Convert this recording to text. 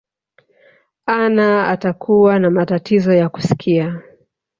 anna utakuwa na matatizo ya kusikia